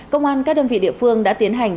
công an các đơn vị địa phương đã tiến hành